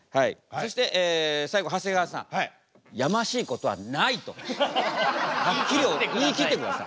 そして最後長谷川さん「やましいことはない」とはっきり言い切ってください。